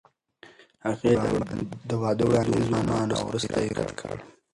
هغې د واده وړاندیز ومانه او وروسته یې رد کړ.